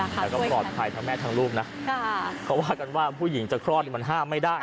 แต่ก็ปลอดภัยทั้งแม่ทั้งลูกนะเขาว่ากันว่าผู้หญิงจะคลอดมันห้ามไม่ได้